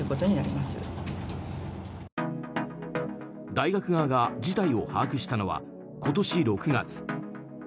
大学側が事態を把握したのは今年６月。